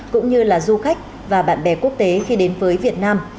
cũng như là du khách và bạn bè quốc tế khi đến với việt nam